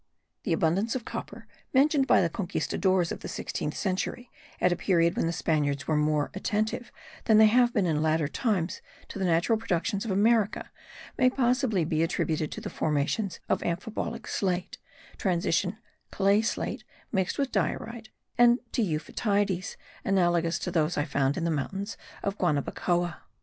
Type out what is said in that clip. The abundance of copper mentioned by the Conquistadores of the sixteenth century, at a period when the Spaniards were more attentive than they have been in latter times to the natural productions of America, may possibly be attributed to the formations of amphibolic slate, transition clay slate mixed with diorite, and to euphotides analogous to those I found in the mountains of Guanabacoa.